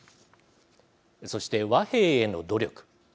そして、和平への努力。